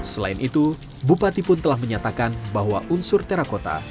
selain itu bupati pun telah menyatakan bahwa unsur terakota